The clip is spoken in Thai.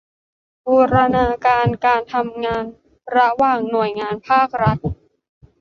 บูรณาการการทำงานระหว่างหน่วยงานภาครัฐ